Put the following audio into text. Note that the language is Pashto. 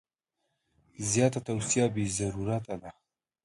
زیاته توصیه بې ضرورته ده.